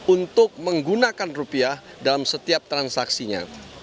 untuk menggunakan rupiah dalam setiap transaksinya